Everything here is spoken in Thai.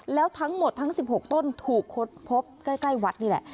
แล้วทั้งหมดทั้ง๑๖ต้นถูกคดพบใกล้วัดนี่แหละ